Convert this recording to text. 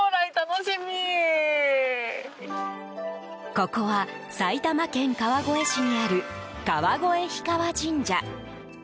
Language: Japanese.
ここは埼玉県川越市にある川越氷川神社。